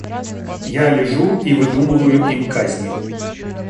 Я лежу и выдумываю им казни.